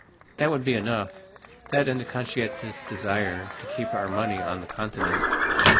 That would be enough, that and a conscientious desire to keep our money on the Continent.